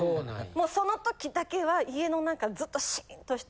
もうその時だけは家の中ずっとシーンとして。